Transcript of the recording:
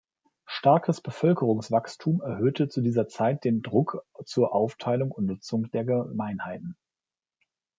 Starkes Bevölkerungswachstum erhöhte zu dieser Zeit den Druck zur Aufteilung und Nutzung der Gemeinheiten.